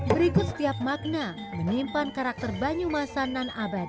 berikut setiap makna menimpan karakter banyumasan nan abadi